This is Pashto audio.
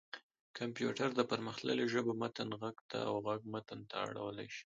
کمپيوټر د پرمختلليو ژبو متن غږ ته او غږ متن ته اړولی شي.